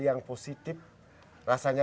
yang positif rasanya